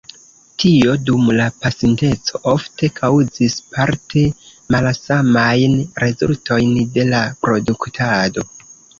Tio dum la pasinteco ofte kaŭzis parte malsamajn rezultojn de la produktado.